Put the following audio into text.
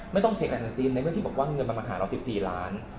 ไม่ต้องเช็คอะไรทั้งสิ้นในเมื่อที่บอกว่าเงินมันมาหาเรา๑๔ล้าน